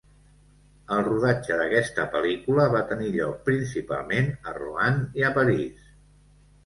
El rodatge d'aquesta pel·lícula va tenir lloc principalment a Roanne i a París.